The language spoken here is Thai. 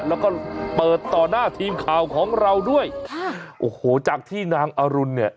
แล้วก็เปิดต่อหน้าทีมข่าวของเราด้วยค่ะโอ้โหจากที่นางอรุณเนี่ย